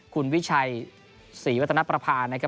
คุณวิชัยศรีวัฒนประพานนะครับ